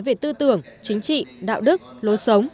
về tư tưởng chính trị đạo đức lối sống